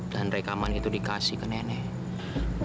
rekaman itu dikasih ke nenek